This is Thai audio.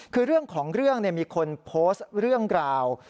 คือเรื่องของเรื่องมีคนโพสต์เรื่องราว